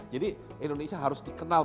jadi indonesia harus dikenal